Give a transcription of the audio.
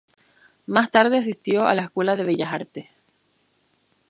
Más tarde asistió a la Escuela de Bellas Artes.